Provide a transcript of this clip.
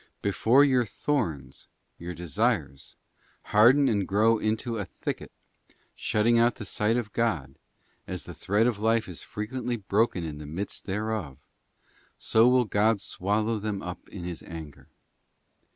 * Before your thorns, your desires, harden and grow into a thicket, shutting out the sight of God, as the thread of life is frequently broken in the midst thereof, so will God swallow them up in His anger.